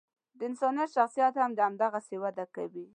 د انسان شخصیت هم همدغسې وده کوي.